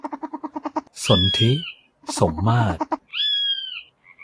สนธิ สมมาตร